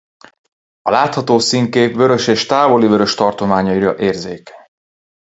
A látható színkép vörös és távoli-vörös tartományaira érzékeny.